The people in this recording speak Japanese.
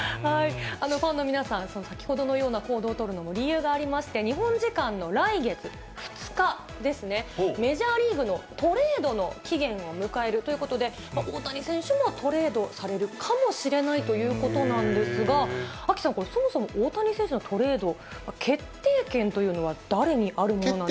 ファンの皆さん、先ほどのような行動を取るのも理由がありまして、日本時間の来月２日ですね、メジャーリーグのトレードの期限を迎えるということで、大谷選手もトレードされるかもしれないということなんですが、アキさん、これ、そもそも大谷選手のトレード、決定権というのは誰にあるものなんでしょうか。